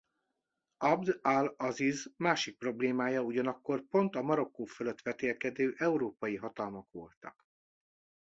Abd-al Aziz másik problémája ugyanakkor pont a Marokkó fölött vetélkedő európai hatalmak voltak.